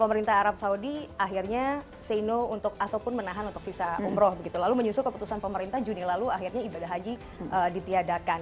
pemerintah arab saudi akhirnya say no untuk ataupun menahan untuk visa umroh begitu lalu menyusul keputusan pemerintah juni lalu akhirnya ibadah haji ditiadakan